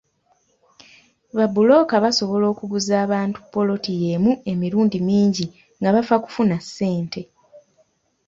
Babbulooka basobola okuguza abantu ppoloti yeemu emirundi mingi nga bafa kufuna ssente.